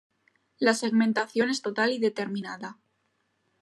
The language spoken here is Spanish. La segmentación es total y determinada.